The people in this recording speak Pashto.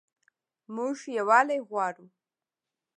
موږ یووالی غواړو